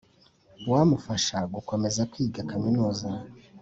uwamufasha gukomeza kwiga Kaminuza